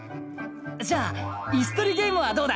じゃあイスとりゲームはどうだ？